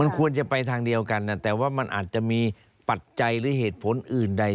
ควรจะไปทางเดียวกันแต่ว่ามันอาจจะมีปัจจัยหรือเหตุผลอื่นใด